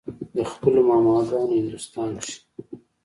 د خپلو ماما ګانو هندوستان کښې